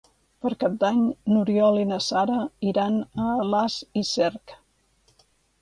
Per Cap d'Any n'Oriol i na Sara iran a Alàs i Cerc.